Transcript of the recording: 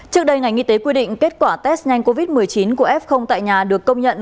trước đây ngành y tế quy định kết quả test nhanh covid một mươi chín của f tại nhà được công nhận